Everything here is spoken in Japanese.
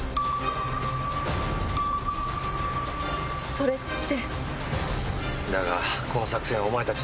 それって。